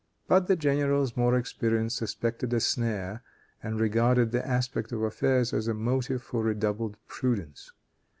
But the generals, more experienced, suspected a snare, and regarded the aspect of affairs as a motive for redoubled prudence.